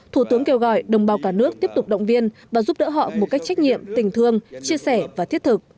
thủ tướng kêu gọi đồng bào cả nước tiếp tục động viên và giúp đỡ họ một cách trách nhiệm tình thương chia sẻ và thiết thực